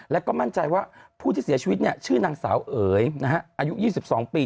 แล้วก็มั่นใจว่าผู้ที่เสียชีวิตชื่อนางสาวเอ๋ยอายุ๒๒ปี